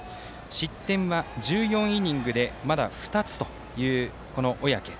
失点は１４イニングでまだ２つという小宅。